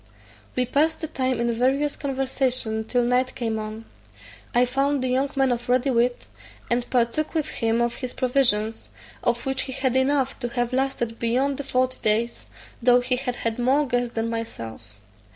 We passed the time in various conversation till night came on. I found the young man of ready wit, and partook with him of his provisions, of which he had enough to have lasted beyond the forty days, though he had had more guests than myself.